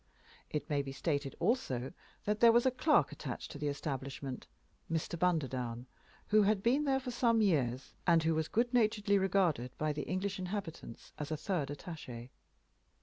It may be stated, also, that there was a clerk attached to the establishment, Mr. Bunderdown, who had been there for some years, and who was good naturedly regarded by the English inhabitants as a third attaché.